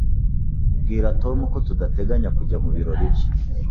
Bwira Tom ko tudateganya kujya mubirori bye.